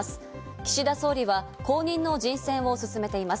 岸田総理は後任の人選を進めています。